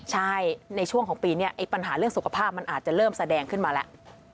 ใช่ในช่วงของปีนี้ปัญหาเรื่องสุขภาพมันอาจจะเริ่มแสดงขึ้นมาแล้ว